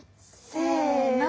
せの。